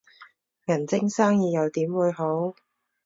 銀晶生意又點會好